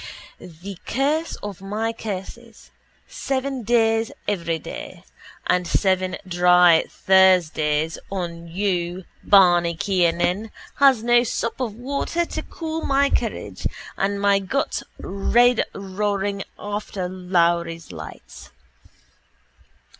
The curse of my curses Seven days every day And seven dry Thursdays On you, Barney Kiernan, Has no sup of water To cool my courage, And my guts red roaring After Lowry's lights.